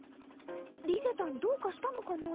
リゼたんどうかしたのかな？